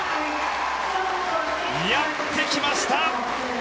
やってきました。